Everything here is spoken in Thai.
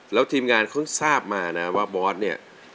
แล้วทีมงานเขาทราบมานะว่าบอสเนี่ย